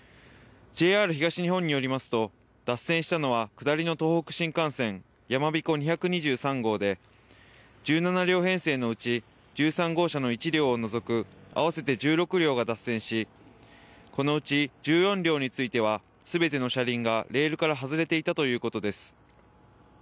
ＪＲ東日本によりますと脱線したのは下りの東北新幹線やまびこ２２３号で１７両編成のうち１３号車の１両を除く合わせて１６両が脱線しこのうち１４両についてはすべての車輪がレールから外れていたということです。